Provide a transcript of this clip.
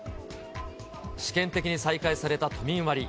試験的に再開された都民割。